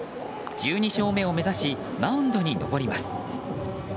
１２勝目を目指しマウンドに上ります。